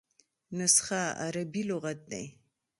نسخه عربي لغت دﺉ.